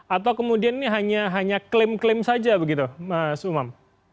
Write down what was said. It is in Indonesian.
atau kemudian ini hanya klaim klaim saja begitu mas umam